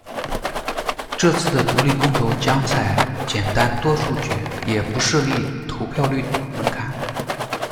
这次的独立公投将采简单多数决，也不设立投票率门槛。